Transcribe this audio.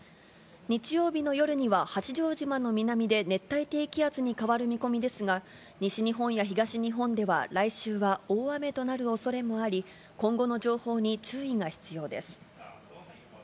日曜日の夜には、八丈島の南で熱帯低気圧に変わる見込みですが、西日本や東日本では、来週は大雨となるおそれもあり、今後の情報に注意が必要です。